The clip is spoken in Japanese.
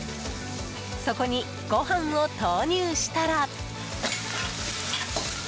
そこにご飯を投入したら。